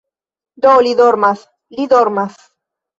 - Do li dormas, li dormas